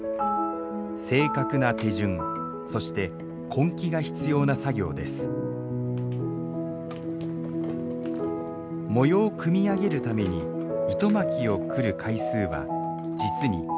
正確な手順そして根気が必要な作業です模様を組み上げるために糸巻きをくる回数は実に１，０００以上。